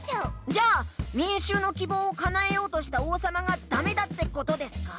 じゃあみんしゅうのきぼうをかなえようとした王さまがダメだってことですか？